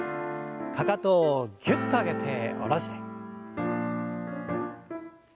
かかとをぎゅっと上げて下ろして。